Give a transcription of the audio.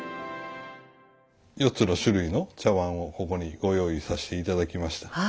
４つの種類の茶碗をここにご用意させて頂きました。